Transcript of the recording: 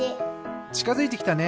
ちかづいてきたね。